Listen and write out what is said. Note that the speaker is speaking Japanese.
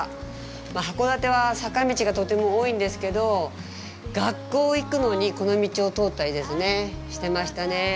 函館は坂道がとても多いんですけど学校行くのにこの道を通ったりしてましたね。